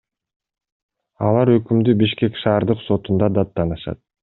Алар өкүмдү Бишкек шаардык сотунда даттанышат.